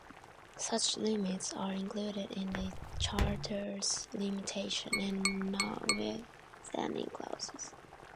Such limits are included in the Charter's limitation and notwithstanding clauses.